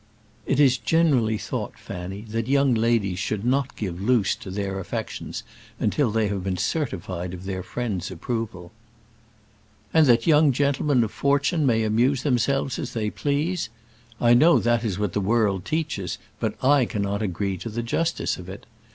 "It is generally thought, Fanny, that young ladies should not give loose to their affections until they have been certified of their friends' approval." "And that young gentlemen of fortune may amuse themselves as they please! I know that is what the world teaches, but I cannot agree to the justice of it.